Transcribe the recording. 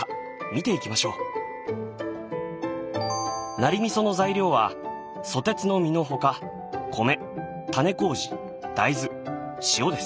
ナリ味噌の材料はソテツの実の他米種麹大豆塩です。